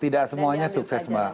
tidak semuanya sukses mbak